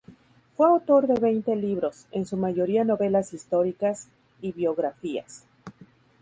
Fue autor de veinte libros, en su mayoría novelas históricas y biografías.